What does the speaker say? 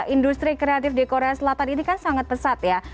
industri kreatif di korea selatan ini kan sangat pesat ya